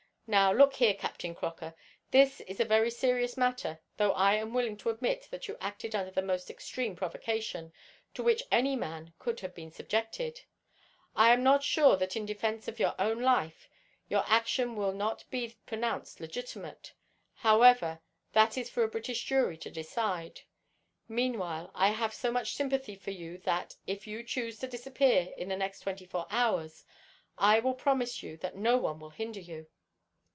Now, look here, Captain Croker, this is a very serious matter, though I am willing to admit that you acted under the most extreme provocation to which any man could be subjected. I am not sure that in defence of your own life your action will not be pronounced legitimate. However, that is for a British jury to decide. Meanwhile I have so much sympathy for you that if you choose to disappear in the next twenty four hours I will promise you that no one will hinder you."